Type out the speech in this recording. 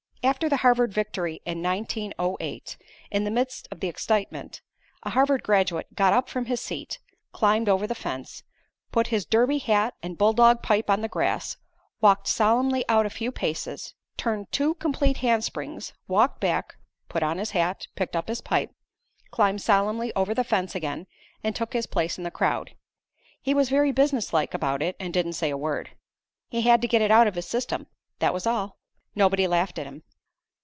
After the Harvard victory in 1908, in the midst of the excitement, a Harvard graduate got up from his seat, climbed over the fence, put his derby hat and bull dog pipe on the grass, walked solemnly out a few paces, turned two complete handsprings, walked back, put on his hat, picked up his pipe, climbed solemnly over the fence again and took his place in the crowd. He was very businesslike about it and didn't say a word. He had to get it out of his system that was all. Nobody laughed at him.